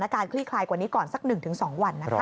การคลี่คลายกว่านี้ก่อนสัก๑๒วันนะคะ